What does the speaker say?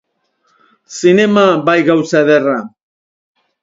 Zinema, bai gauza ederra!